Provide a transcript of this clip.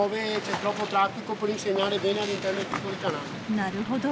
なるほど。